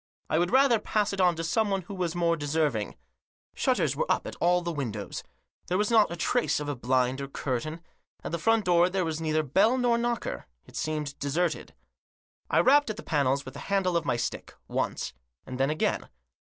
I would rather pass it on to someone who was more deserving. Shutters were up at all the windows. There was not a trace of a blind or curtain. At the front door there was neither bell nor knocker. It seemed deserted. I Digitized by COUNSEL'S OPINION. 161 rapped at the panels with the handle of my stick ; once, and then again.